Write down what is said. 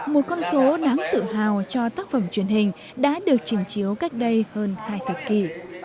một con số đáng tự hào cho tác phẩm truyền hình đã được trình chiếu cách đây hơn hai thập kỷ